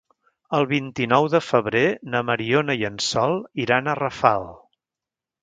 El vint-i-nou de febrer na Mariona i en Sol iran a Rafal.